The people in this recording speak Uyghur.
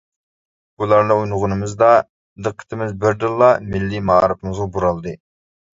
بۇلارنى ئويلىغىنىمىزدا دىققىتىمىز بىردىنلا مىللىي مائارىپىمىزغا بۇرالدى.